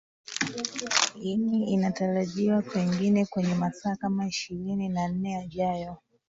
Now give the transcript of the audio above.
ini inatarajiwa pengine kwenye masaa kama ishirini na nne yajayo